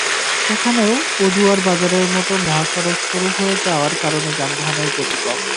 সেখানেও পদুয়ার বাজারের মতো মহাসড়ক সরু হয়ে যাওয়ার কারণে যানবাহনের গতি কম।